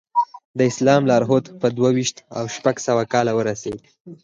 د اسلام لارښود په دوه ویشت او شپږ سوه کال ورسېد.